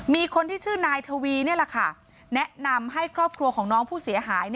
มีคนที่ชื่อนายทวีนี่แหละค่ะแนะนำให้ครอบครัวของน้องผู้เสียหาย